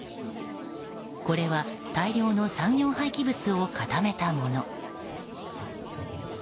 これは大量の産業廃棄物を固めたもの。